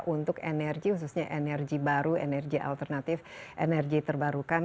untuk energi khususnya energi baru energi alternatif energi terbarukan